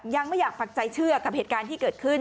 ยังไม่อยากปักใจเชื่อกับเหตุการณ์ที่เกิดขึ้น